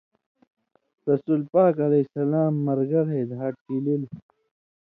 رسولِ پاک علیہ سلام مرگلئی دھا ڇیلِلوۡ؛